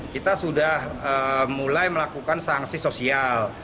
kita sudah mulai melakukan sanksi sosial